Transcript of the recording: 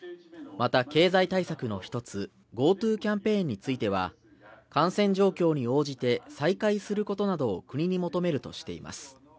また、経済対策の一つ、ＧｏＴｏキャンペーンについては、感染状況に応じて再開することなどを国に求めるとしています。